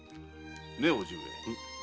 ね叔父上。